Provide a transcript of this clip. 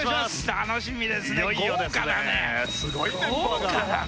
楽しみですね。